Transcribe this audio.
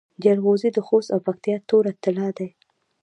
جلغوزي د خوست او پکتیا تور طلایی دي